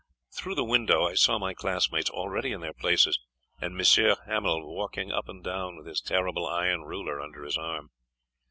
Through the window I saw my classmates, already in their places, and M. Hamel walking up and down with his terrible iron ruler under his arm.